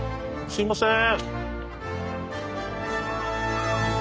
すいません。